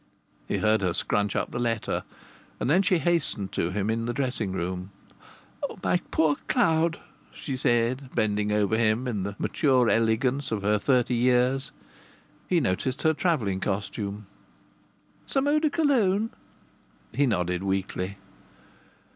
He heard her crunch up the letter, and then she hastened to him in the dressing room. "My poor Cloud!" she said, bending over him in the mature elegance of her thirty years. He noticed her travelling costume. "Some eau de Cologne?" He nodded weakly.